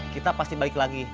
kita pasti balik lagi